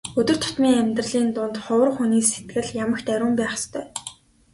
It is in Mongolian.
Өдөр тутмын амьдралын дунд хувраг хүний сэтгэл ямагт ариун байх ёстой.